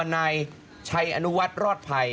นายชัยอนุวัตรรอตภัย